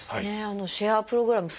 あのシェアプログラム